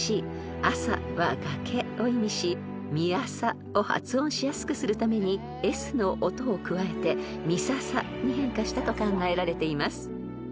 ［「みあさ」を発音しやすくするためにＳの音を加えて「みささ」に変化したと考えられています］